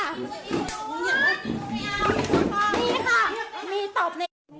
นี่ค่ะมีตบ